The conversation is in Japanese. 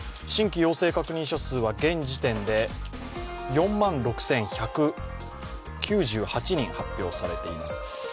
新規陽性確認者数は現時点で４万６１９８人発表されています。